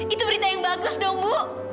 itu berita yang bagus dong bu